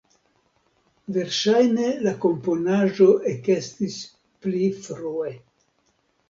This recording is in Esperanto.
Verŝajne la komponaĵo ekestis pli frue.